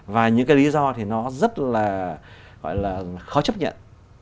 và những cái lý do thì nó rất là gọi là khó chấp nhận